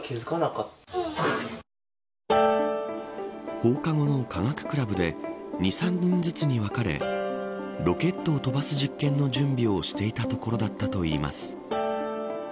放課後の科学クラブで２、３人ずつに分かれロケットを飛ばす実験の準備をしていたところだったといいます。